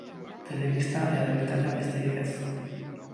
Telebista, errealitatea besterik ez.